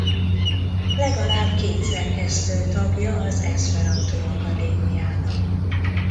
Legalább két szerkesztő tagja az Eszperantó Akadémiának.